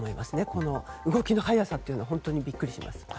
この動きの早さというのは本当にびっくりします。